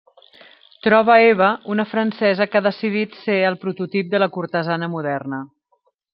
Troba Eva, una francesa que ha decidit ser el prototip de la cortesana moderna.